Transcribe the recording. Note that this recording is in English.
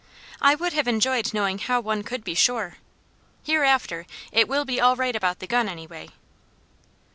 I would have enjoyed knowing how one could be sure. Hereafter, it will be all right about the gun, anyway.